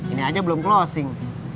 ini aja belum closing